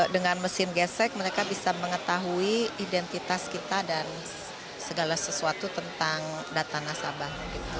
dengan mesin gesek mereka bisa mengetahui identitas kita dan segala sesuatu tentang data nasabah